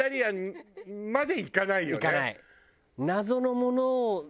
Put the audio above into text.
いかない。